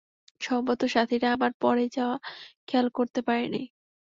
সম্ভবত সাথিরা আমার পড়ে যাওয়া খেয়াল করতে পারেনি।